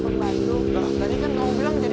mau mau yaudah cari yang lain aja aku